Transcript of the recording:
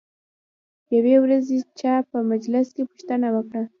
یوې ورځې چا په مجلس کې پوښتنه وکړه.